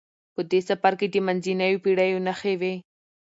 په دې سفر کې د منځنیو پیړیو نښې وې.